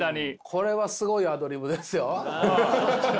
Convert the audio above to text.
これはすごいアドリブですよ。